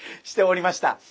しておりました。